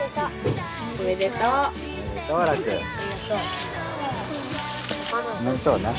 おめでとうね。